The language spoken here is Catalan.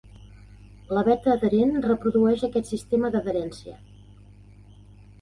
La veta adherent reprodueix aquest sistema d'adherència.